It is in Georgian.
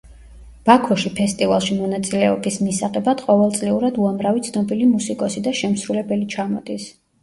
ბაქოში ფესტივალში მონაწილეობის მისაღებად ყოველწლიურად უამრავი ცნობილი მუსიკოსი და შემსრულებელი ჩამოდის.